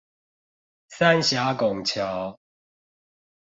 三峽拱橋